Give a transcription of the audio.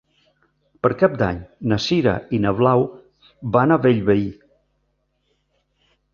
Per Cap d'Any na Sira i na Blau van a Bellvei.